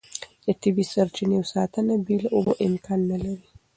د طبیعي سرچینو ساتنه بې له اوبو امکان نه لري.